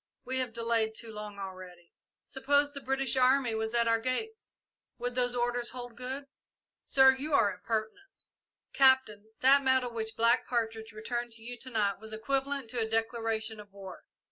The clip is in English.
"We have delayed too long already." "Suppose the British army was at our gates would those orders hold good?" "Sir, you are impertinent!" "Captain, that medal which Black Partridge returned to you to night was equivalent to a declaration of war.